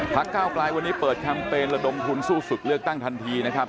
ก้าวกลายวันนี้เปิดแคมเปญระดมทุนสู้ศึกเลือกตั้งทันทีนะครับ